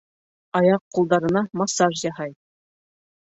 Аяҡ-ҡулдарына массаж яһай.